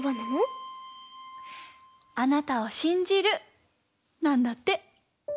「あなたを信じる」なんだって。